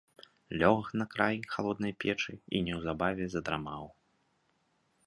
Лёг на край халоднай печы і неўзабаве задрамаў.